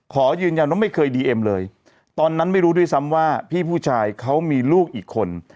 ขอยืนยันว่าไม่เคยดีเอ็มเลยตอนนั้นไม่รู้ด้วยซ้ำว่าพี่ผู้ชายเขามีลูกอีกคน